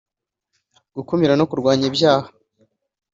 gukumira no kurwanya ibyaha